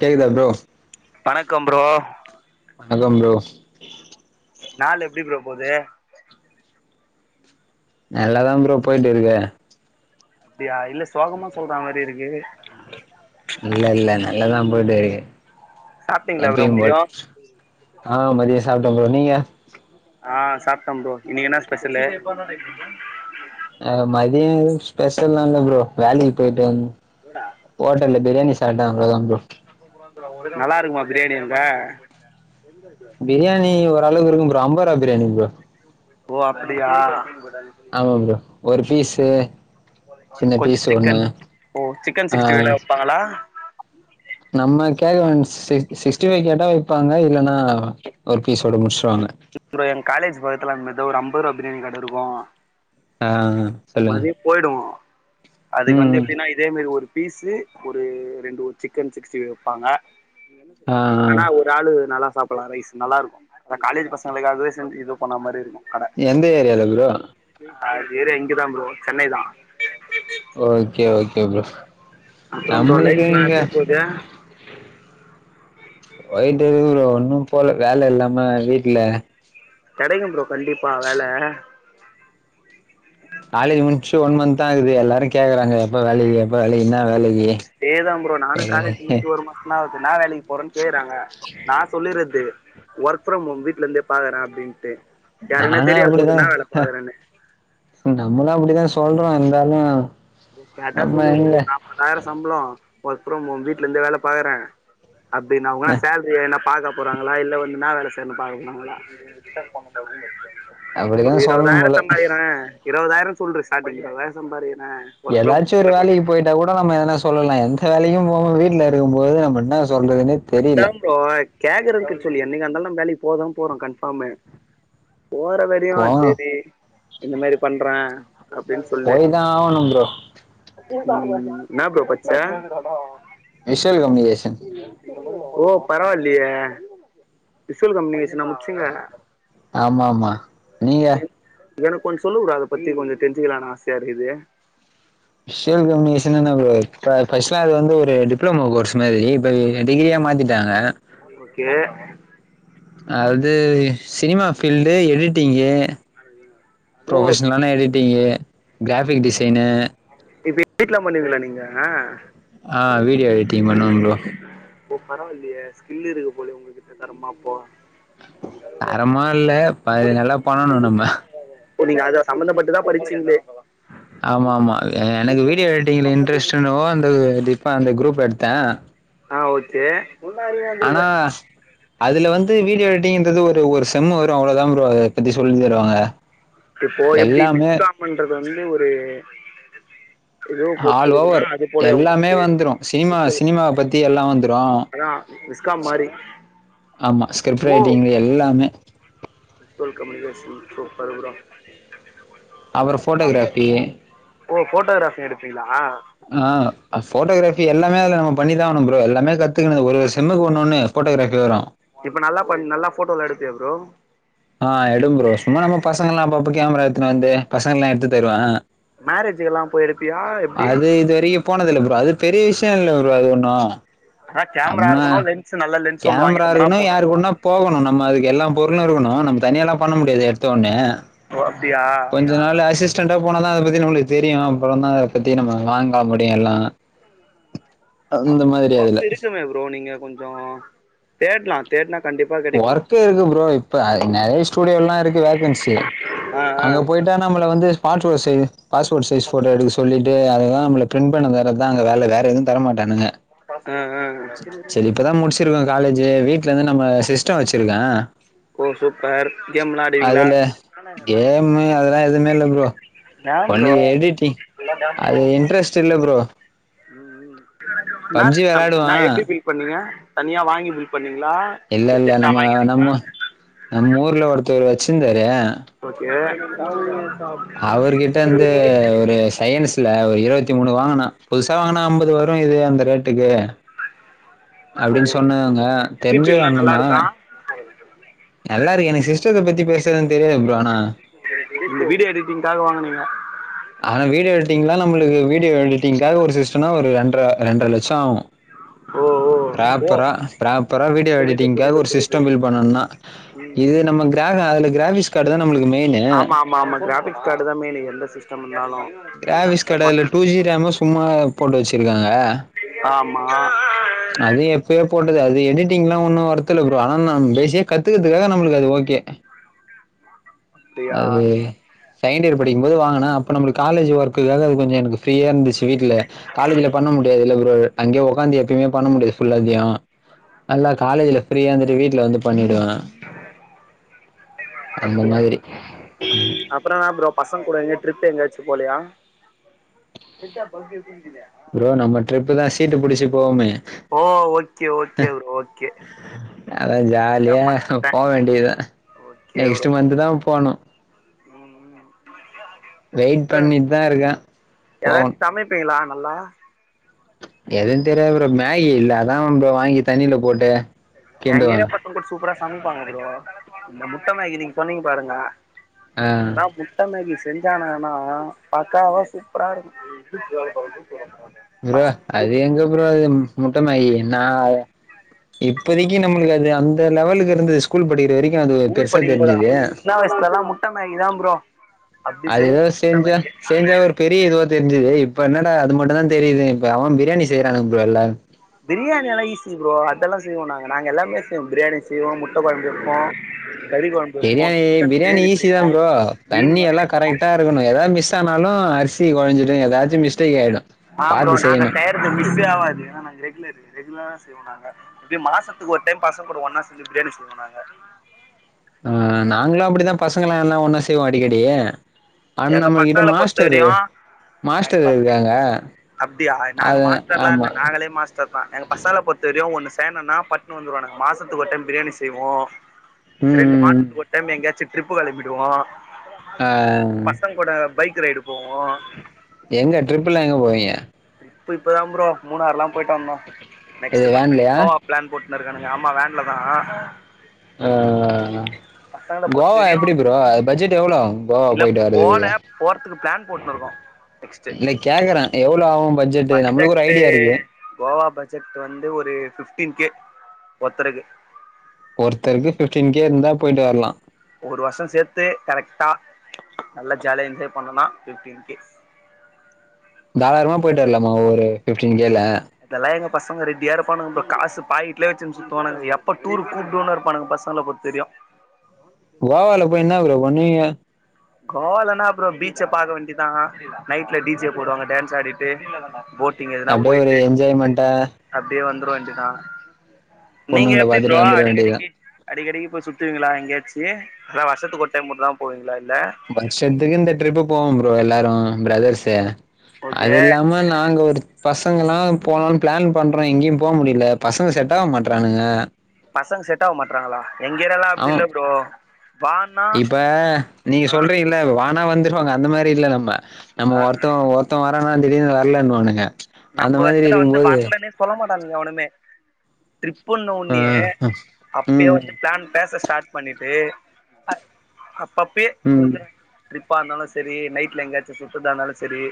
கேக்குதா ப்ரோ வணக்கம் ப்ரோ வணக்கம் ப்ரோ நாள் எப்டி ப்ரோ போது நல்லாதா ப்ரோ போய்ட்டுருக்கு அப்டியா இல்ல சோகமா சொல்ற மாரி இருக்கு இல்லல்ல நல்லதா போய்ட்டுருக்கு சாப்ட்டீங்களா ப்ரோ எப்பயும்போல் மதியோ ஆ மதியோ சாப்ட்டே ப்ரோ நீங்க ஆ சாப்ட்டே ப்ரோ இன்னிக் என்னா ஸ்பெஷலு அ மதியோ ஸ்பெஷல்லா இல்ல ப்ரோ வேலைக்கி போய்ட் வந் தோடா ஓட்டல்ல பிரியாணி சாப்ட்டே ப்ரோ அவ்ள தா ப்ரோ நல்லாருக்குமா பிரியாணி அங்க பிரியாணி ஓரளவுக்கு இருக்கு ப்ரோ அம்பர்ருவா பிரியாணி ப்ரோ ஓ அப்டியா ஆமா ப்ரோ ஒரு பீஸு சின்ன கொஞ்ச பீஸ் ஒண்ணு சிக்கன் ஓ சிக்கன் ஆ சிக்ஸ்ட்டி ஃபைலா வெப்பாங்களா நம்ம கேக்கணு சிக் சிக்ஸ்ட்டி ஃபை கேட்டா வெப்பாங்க இல்லனா ஒரு பீசோட முட்ஸ்சிருவாங்க அப்பறோ எங் காலேஜ் பக்கத்துல அந் மார் தா ஒரு அம்பர்ருவா பிரியாணி கட இருக்கு ஆ சொல்லுங்க மதிய போய்டுவோ அதுக் ம் வந்து ம் எப்டினா இதே மாரி ஒரு பீசு ஒரு ரெண்டு ஒரு சிக்கன் சிக்ஸ்ட்டி ஃபை வெப்பாங்க ஆ ஆ ஆனா ஒரு ஆளு நல்லா சாப்பல்லா ரைஸ் நல்லாருக்கு அதா காலேஜ் பசங் களுக்காவே செஞ் இது பண்ணா மாரி இருக்கு கட எந்த ஏரியால ப்ரோ அது ஏரியா இங்கதா ப்ரோ சென்னை தா ஓகே ஓகே ப்ரோ அப்றோ ப்ரோ நம்மளுக்கு லைஃப்லா இங்க எப்டி போது போய்ட்டுருக்குது ப்ரோ ஒன்னு போல வேல இல்லாம வீட்ல கெடைக்கு ப்ரோ கண்டிப்பா வேல காலேஜ் முட்ச்சு ஒன் மன்த் தா ஆகுது எல்லாரு கேக்கறாங்க எப்ப வேலைக்கி எப்ப வேலைக்கி இன்னா வேலைக்கி இதே தா ப்ரோ நானு காலேஜ் முட்ச்ட்டு ஒரு மாசந்தா ஆவுது இன்னா வேலைக்கு போறன் கேக்கறாங்க நா சொல்லீர்ரது ஒர்க் ஃப்ரம் ஹோம் வீட்லிந்தே பாக்கறே அப்டின்ட்டு யாருக்குன்னா நானு தெரியா போது அப்டிதா இன்னா வேல பாக்கறன்னு நம்மளு அப்பிடிதா சொல்றோ இர்ந்தாலு ப்ரோ கேட்டா சொல்லிவுடு ப்ரோ நாப்பதாய்ரோ சம்ப்ளோ ஒர்க் ஃப்ரம் ஹோம் வீட்லிந்தே வேல பாக்கற அப்டின்னா அவுங் என்னா சேல்ரிய வேணா பாக்க போறாங்ளா இல்ல வந்து இன்னா வேல செய்றன்னு பாக்க போறங்களா அப்டிதா ஒரு சொல்லணு இருவதாய்ரோ போல சம்பாரிக்கிற இருவதாய்ரோன் சொல்ரு ஸ்டாட்டிங் இருவதாய்ரோ சம்பாரிக்கிற எதாச்சு ஒரு வேலைக்கி போய்ட்டா கூட நம்ம எதனா சொல்லலா எந்த வேலைக்கு போகமா வீட்லருக்கும்போது நம்ம இன்ன சொல்றதுன்னே தெரீல இப்போ கேக்கற்துக்கு சொல்லு என்னைக்கா இர்ந்தாலு நம் வேலைக் போகதா போறோ கன்ஃபாமு போற வர யு போகணு செரி இந்த மாரி பண்றே அப்டின் சொல்லு போய் தா ஆவணு ப்ரோ ம் என்ன ப்ரோ பட்ச்ச விஷுவல் கம்யூனிகேஷன் ஓ பரவால்லியே விஷுவல் கம்யூனிகேஷனா முச்சிங்க ஆமா ஆமா நீங்க எனக் கொஞ் சொல்லு ப்ரோ அத பத்தி கொஞ்ச தெரிஞ்சுக்கலான ஆசையா இருக்குது விஷுவல் கம்யூனிகேஷனா என்ன ப்ரோ ஃபஸ்ட்டுல அது வந்து ஒரு டிப்ளோமோ கோர்ஸ் மாதிரி இப்ப என் டிகிரியா மாத்திட்டாங்க ஓகே அது சினிமா ஃபீல்டு எடிட்டிங்கு ஓ புரொஃபஷ்னலான எடிட்டிங்கு கிராஃபிக் டிசைனு எடிட்லா பண்ணுவீங்ளா நீங்க ஆ வீடியோ எடிட்டிங் பண்ணுவ ப்ரோ ஓ பரவால்லியே ஸ்கில்லு இருக்கு போல உங்ககிட்ட தரமா அப்போ தரமா இல்ல நல்லா பண்ணணு நம்ம இப்ப நீங்க அத சம்மந்த பட்டுதா படிச்சிங்ளே ஆமா ஆமா எனக்கு வீடியோ எடிட்டிங்ல இன்ட்ரெஸ்ட்னவோ அந்த டிப்பா அந்த குரூப் எடுத்த ஆ ஓகே ஆனா அதுல வந்து வீடியோ எடிட்டிங்ன்றது ஒரு ஒரு செம்மு வரு அவ்ளோதா ப்ரோ அத பத்தி சொல்லி தருவாங்க இப்போ எப்டி எல்லாமே விஸ் காம் பண்றது வந்து ஒரு ஏதோ பொறுத்து ஆல் இருக்குன்னா ஓவர் அது போல எல்லாமே உங்களுக்கு வந்துரு சினிமா விஸ்வல் சினிமாவ பத்தி எல்லா வந்துரு அதான் விஸ்காம் மாதிரி ஆமா ஸ்கிப்ட் ரைட்டிங் எல்லாமே விஷுவல் கம்யூனிகேஷன் சூப்பரு ப்ரோ அப்றோ போட்டோகிராபி ஓ போட்டோகிராபி எடுப்பீங்ளா ஆ போட்டோகிராபி எல்லாமே அதது நம்ம பண்ணிதா ஆகணு ப்ரோ எல்லாமே கத்துக்கனது ஒரு ஒரு செம்க்கு ஒண்னொன்னு போட்டோகிராபி வரு இப்ப நல்லா பன் நல்லா போட்டோல எடுப்பியா ப்ரோ ஆ எடுப் ப்ரோ சும்மா நம்ம பசங்கல்லா அப்பப்போ கேமரா எடுத்துன்னு வந்து பசங்கல்லா எடுத்து தருவ மேரேஜுக்கெல்லாம் போய் எடுப்பியா எப்படி அது இது வரியு போனதில்ல ப்ரோ அது பெரிய விஷய இல்ல ப்ரோ அது ஒன்னு ஆனா கேமரா ஆமா இருக்கணு லென்ஸ் நல்ல லென்ஸ் ஒன்னு கேமரா வாங்கிட்டோம்னா இருக்குனு போது யாருக்கூட்னா போகணு நம்ம அதுக்கு எல்லா பொருளு இருக்கணு நம்ம தனியாலா பண்ண முடியாது எடுத்த ஒன்னே ஓ அப்டியா அதனால அசிஸ்டன்ட்டா போனாதா அத பத்தி நம்மளுக்கு தெரியு அப்புறந்தா அத பத்தி நம்ம வாங்கா முடியு எல்லா அந்த அப்ப மாதிரி அதுல ஒர்க் இருக்குமே ப்ரோ நீங்க கொஞ்சோ தேட்லா தேட்ன கண்டிப்பா கெடைக்கு ஒர்க் இருக்கு ப்ரோ இப்ப நெறை ஸ்டுடியோல்லா இருக்கு வேக்கன்சி ஆ ஆ அங்க போயிட் ட்டா நம்ள வந்து passport size passport size photo எடுக்க சொல்லிட்டு அதுதா நம்ம ப்ரண்ட் பண்ண தரதா வேல அங்க வேறு எதுவு தர மாட்டானுங்க அ அ செரி இப்பதா முடிச்சிருக்கோ காலேஜு வீட்ல இந்து நம்ம சிஸ்ட்டோ வச்சிருக்கே ஓ சூப்பர் கேம் லா ஆடுவீங்ளா கேம்மு அதெல்லா எதுமே இல்ல ப்ரோ டேம் ஒன்லி ப்ரோ எடிட்டிங் அது இன்ட்ரெஸ்ட் இல்ல ப்ரோ னா [unintelligible] பப்ஜி அண்ணா வெளாடுவான் எப்டி ஃபில் பண்ணீங்க தனியா வாங்கி ஃபில் பண்ணீங்ளா இல்லெல்ல நம்ம நம்ம நம்மூர்ல ஒருத்தவரு வச்சிர்ந்தாரு ஓகே அவரு கிட்டந்து ஒரு சயன்ஸ் ட்ல ஒரு இருவத்தி மூனு வாங்கனு புதுசா வாங்னா ஐம்பது வரு இது அந்த ரேட்டுக்கு ஓ அப்டின் சொன்னாங்க சி தெரிஞ்ச பி யூ லா நல்லா அண்ணன்தா இருக்கா நல்லாருக்கு எனக்கு சிஸ்டத்த பத்தி பேசுறதுன் தெரியாது ப்ரோ ஆனா நீங்க வீடியோ எடிட்டிங்காக வாங்னீங்க ஆனா வீடியோ எடிட்டிங்லா நம்ளுக்கு வீடியோ எடிட்டிங்காக ஒரு சிஸ்டோனா ஒரு ரெண்ட்ர ரெண்ட்ர லட்சோ ஆவு ஓ ஓ ஓ ப்ராப்பரா ப்ராப்பரா வீடியோ புரியுது எடிட்டிங்காக புரியுது ஒரு புரியுது சிஸ்டோ பில் பண்ணணுனா [inaudible] இது நம்ம கிராஹ அதுல கிராஃபிஸ் கார்டு தா நம்ளுக்கு மெய்னு ஆமாமாமா கிராஃபிக்ஸ் கார்டு தா மெய்னு எந்த சிஸ்டம் வந்தாலு கிராஃபிஸ் கடைல டூ ஜி ரேமு சும்மா போட்டு வச்சிருக்காங்க ஆமா அது எப்பயோ போட்டது அது எடிட்டிங்லா ஒன்னு ஒர்த் இல்ல ப்ரோ ஆனா நா பேஸிக்கா க த்துக்கறதுக்காக நம்ளுக்கு அது ஓகே அப்டியா அது செகண்ட் இயர் படிக்கும்போது வாங்னே அப்ப நம்ளுக்கு காலேஜ் ஒர்க்குக்காக அது கொஞ்சோ எனக்கு ஃப்ரீயாந்துச்சு வீட்ல காலேஜ்ல பண்ண முடியாதுல்ல ப்ரோ அங்கே ஒக்காந்து எப்பயுமே பண்ண முடியாது ஃபுல்லாத்தியு நல்லா காலேஜ்ல ஃப்ரீயாருந்துட்டு வீட்ல வந்து பண்ணிடுவே அந்த அப்டியா மாத்ரி அப்றோ என்னா ப்ரோ பசங் கூட எங்கியு ட்ரிப் எங்கயாச்சு போலயா ப்ரோ நம்ம ட்ரிப்பு தா சீட்டு புடிச்சி போவோமே ஓ ஓகே ஓகே ப்ரோ ஓகே நல்லா நா ஜாலியா மறந்துட்டே போ வேண்டிதா ஓகே ப்ரோ நெக்ஸ்ட்டு மன்த்து தா போனு ம் ம் வெயிட் இது பண்ணிட்தாருக்கே போவ ப்பிங்ளா நல்லா எது தெரியாது ப்ரோ மேகி இல்ல அதா ப்ரோ வாங்கி தண்ணில போட்டு எங்ஏரியா கிண்டுவேன் பக்கோகூட சூப்பரா சமைப்பாங்க ப்ரோ இந்த முட்ட மேகி நீங்சொன்னீங் பாருங்க ஆ [unintelligible] முட்ட மேகி செஞ்சானுங்கன்னா பக்காவா சூப்பராருக்கு ப்ரோ அது எங்க ப்ரோ அது முட்ட மேகி நா இப்பதக்கி நம்ளுக்கு அது அந்த லெவலுக்கு இருந்த ஸ் கூல் படிக்கிற வரைக்கு அது பெருசா தெரிஞ்சுது க்கா வய்சுலலா முட் ட்ட மேகி தா ப்ரோ அப்டி அது செய்வோ எதோ முட்ட செஞ்சா மேகி செஞ்சா ஒரு பெரிய இதுவா தெரிஞ்சுது இப்ப என்னடா அது மட்டுந்தா தெரிது இப்ப அவே பிரியாணி செய்றாங்க ப்ரோ எல்லா பிரியாணியெல்லா ஈசி ப்ரோ அதெல்லா செய்வோ நா நாங்க எல்லாமே செய்வோ பிரியாணி செய்வோ முட்ட கொழம்பு வெப்போ கறிக் கொழ பிரியாணி பிரியாணி ஈஸி தா ப்ரோ மீன் தண்ணி எல்லா வறுப்போ கரெக் ட்டாருக்கனு எதா மிஸ்ஸானாலு அர்சி கொழ்ஞ்சிடு எதாச்சு மிஸ்டேக்காய்டு ஆ ப்ரோ நாங்க செய்றது மிஸ்ஸே ஆவாது ஏனா நாங்க ரெகுலரு ரெகுலரா செய்வோ நாங்க இப்டி மாசத்துக்கு ஒரு டைம் பசங்க கூட ஒன்னா சோந்து பிரியாணி செய்வோ நாங்க ஆ நாங்களு அப்டித்தா பசங்களா எல்லா ஒன்னா செய்வோ அடிக்கடி அண் எங்க நம்ம கிட்ட பசங்கள பொறுத்த மாஸ்டரு வரையு மாஸ்டரு இருக்காங்க அது ஆமா த்தர்தா எங்க பசங்கலா பொறுத்த வரையு ஒண்ணு சொய்யணுனா பட்டுனு வந்துருவானுங்க மாசத்துக்கு ஒரு டைம் பிரியாணி செய்வோ ரெண்டு ம் மாசத்துக்கு ஒரு டைம் எங்கயாச்சு ட்ரிப்பு களம்பிடுவோ அ பசங்க கூட பைக் ரைடு போவோ எங்க ட்ரிப்புலா எங்க போவீங்க டிரிப்பு இப்பதா ப்ரோ மூணாறுலா போயிட்டு வந்தோ, இது நெக்ஸ்ட் பசங்க வேன்லயா கோவா பிளான் போட்டுனு இருக்கானுங்க ஆமா வேன்லதா ஆ ஆ பசங்கள பொருத்த வரையு எவ்வளோ ஆகும் கோவா இல்ல போயிட்டு போல வர்றதுக்கு போறதுக்கு பிளான்தா போட்டுனு இருக்கோ நெக்ஸ்ட் கேக்குற எவ்வளோ ஆவு பட்ஜெட்டு நம்மளுக்கு ஒரு ஐடியா இருக்கு கோவா பட்ஜெட் வந்து ஒரு ஃபிப்டீன் கே ஒருத்தருக்கு ஒருத்தருக்கு பிப்டீன் கே இருந்தா போயிட்டு வரலா ஒரு வருஷோ சேத்து கரெக்ட்டா நல்ல ஜாலியா என்ஜாய் பண்ணனுனா ஃபிப்டின் கே தாராளமா போயிட்டு வரலாமா ஒரு ஃபிப்டீன் கேல அதெல்லா எங்க பசங்க ரெடியா இருப்பானுங்க ப்ரோ காசு பாக்கெட்டுலயே வச்சுனு சுத்துவனுங்க எப்ப டூரு கூப்டுவோனு இருப்பானங்க பச பசங்கள பொருத்த வரையு கோவால போய் என்ன ப்ரோ பண்ணுவீங்க கோவால என்னா ப்ரோ பீச்ச பாக்க வேண்டிதா, நைட்ல டி ஜி போடுவாங்க டான்ஸ் ஆடிட்டு போட் டிங் எதுனா அப்படியே ஒரு போயிட்டு என்ஜாய்மெண்ட்டா அப்டியே வந்துரு வேண்டிதா நீங்க பொண்ணுங்களை எப்டி ப்ரோ பார்த்துட்டு வந்துட வேண்டியதுதான் அடிக்கடிக்கு அடிக்கடிக்கு போய் சுத்துவீங்ளா எங்கேயாச்சு எல்லா வருஷத்துக்கு ஒரு டைம் மட்டும்தா போவீங்களா இல்ல வருஷத்துக்கு இந்த ட்ரிப்பு போவோ ப்ரோ எல்லாரு பிரதர்ஸ் ஓகே அது இல்லாம நாங்க ஒரு பசங்கல்லா போலனு பிளான் பண்றோ எங்கயு போ முடியல பசங்க செட்டாவ மாட்றானுங்க பசங்க செட்டாவ மாட்றாங்களா எங்க ஏரியால்லா அப்டி அவன் இல்ல ப்ரோ வான்னா, ஆ இல்ல வானா வந்துருவாங்க அந்த மாரி இல் நம்ம நம்ம ஆ ஆ ஒருத்த ஒருத்த வரானா திடீர்னு வரலன்னுவானுங்க அந்த நம்ம மாதிரி எடத்துல வந்து இருக்கும்போது வரலன்னே சொல்ல மாட்டானுங்க எவனுமே ஆ ட்ரிப்புன்னோனே அப்பயே வந்து ம் பிளான் பேச ஸ்டார்ட் பண்ணிட்டு, அப்பப்பபே ம் எந்த ட்ரிப்பா இருந்தாலு சேரி நைட்ல எங்கேயாச்சு சுத்துறதா இருந்தாலு சேரி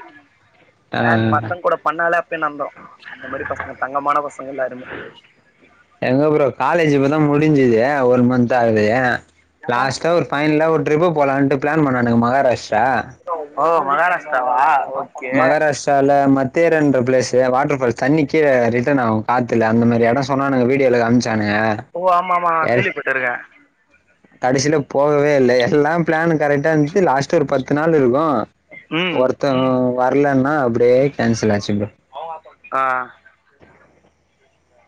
பிளான் ஆ பசங்க கூட அதனாலே அப்பயே நம்ப, அந்த மாரி பசங்க தங்கமான பசங்க எல்லாருமே எங்க ப்ரோ காலேஜ் இப்பதா முடிஞ்சுது ஒன் மந்த் ஆகுது லாஸ்ட்டா ஒரு ஃபைனலா ஒரு ட்ரிப் போலான்ட்டு பிளான் பண்ணானுங்க மகாராஷ்ட்ரா ஓ மகாராஷ்ட்ராவா மகாராஷ்ட்ரால மத்தேரன்ற பிளேஸ் வாட்டர் இப்ப தண்ணி கீழ ரிட்டர்ன் ஆவு காத்துல அந்த மாரி எடம் சொன்னானுங்க வீடியோல காமிச்சானுங்க ஓ ஆமா ஆமா கேள்விபட்டுருக்கே கடைசியில போவவே இல்ல எல்லா பிளானு கரெக்டா இருந்துச்சு லாஸ்ட் ஒரு பத்து நாள் இருக்கு ம் ஒருத்தன் வரலேன்னா அப்படியே கேன்சல் ஆயிருச்சுங்க ஆ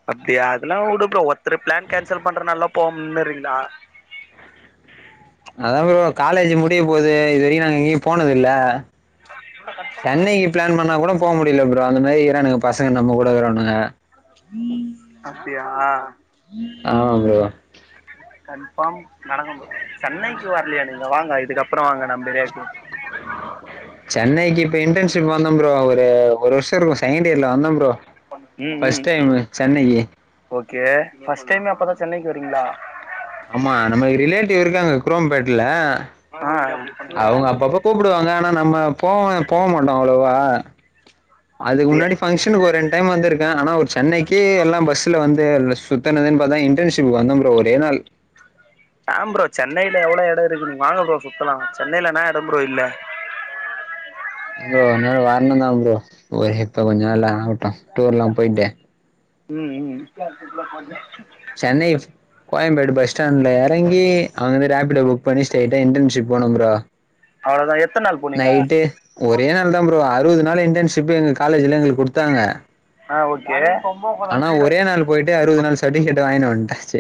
பாத்தியா அதெல்லாம் விடு புரோ ஒருத்தரு பிளான் கேன்சல் பண்றதுனால போகமுடியலறீங்களா அதான் ப்ரோ காலேஜ் முடிய போகுது இது வரைக்கும் நாங்க எங்கயும் போனது இல்ல சென்னைக்கு பிளான் பண்ணா கூட போக முடியல ப்ரோ அந்த மாரி இருகுறானுங்க பசங்க நம்ம கூட இருக்குறவனுக அப்பிடியா ஆமா புரோ கன்ஃபார்ம் நடக்கும் போது சென்னைக்கு வரலையா நீங்க வாங்க இதுக்கப்புறம் வாங்க நான் பெரியா சென்னைக்கு இப்ப இன்டர்ன்ஷிப் வந்தோ புரோ ஒரு வருஷ இருக்கு செகண்ட் இயர்ல வந்தோ புரோ உம் உம் ஓகே ஃபர்ஸ்ட் டைமே அப்பதான் சென்னைக்கு வரீங்களா ஆமா நமக்கு ரிலேட்டிவ் இருக்காங்க குரோம்பேட்ல ஹ அவங்க அப்பப்ப கூப்பிடுவாங்க ஆனா நம்ம போவ போக மாட்டோ அவ்வளவா அதுக்கு முன்னாடிஃபங்க்ஷனுக்கு வர்ரே ஒருடைம் வந்திருக்கே ஆனா ஒரு சென்னைக்கு எல்லா பஸ்ல வந்து சுத்தனதுன்னு பார்த்தா இன்டர்ன்ஷிப் வந்தம் ஒரே நாள் வாங்க புரோ சென்னையில எவ்வளவு இடம் இருக்குது வாங்க புரோ சுத்தலா சென்னைலனா இடம் புரோ இல்ல புரோ ஒரு நாள் வரணும் தான் புரோ ஒரு இப்ப கொஞ்சம் நாள் ஆகட்டும் டூர் எல்லாம் போயிட்டு ம் ம் சென்னை கோயம்பேடு பஸ் ஸ்டாண்ட்ல இறங்கி அவங்கிந்து ரேபிடோ புக் பண்ணி ஸ்டிரைடா இன்டர்ன்ஷிப் போனோ புரோ அவ்ளோதான் எத்தன நாள் போனீங்க நைட்டு ஒரே நாள் தான் ப்ரோம் அறுபது ஒரே நாள் தான் புரோ அறுபது நாள் இன்டர்ன்ஷிப் எங்க காலேஜ்ல எங்களுக்கு கொடுத்தாங்க ஹ ஓகே ஆனா ஒரே நாள் போயிட்டு அறுபது நாள் சர்டிஃபிகேட் வாங்கினு வந்தாச்சு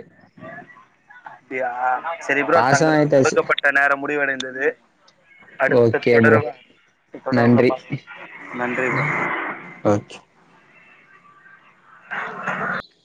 அப்படியா சரி புரோ பாஸு தங்களுக்கு ஆயிட்டாச்சு கொடுக்கப்பட்ட நேரம் முடிவடைந்தது அடுத்த ஓகே ப்ரோ தொடர்பு நன்றி தொடர்வோமா நன்றி புரோ ஓகே [unintelligible]